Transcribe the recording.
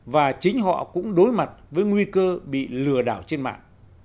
và chính họ cũng đối mặt với nguy cơ bị lừa đảo trên mạng